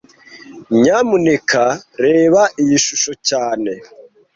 Nyamuneka reba iyi shusho cyane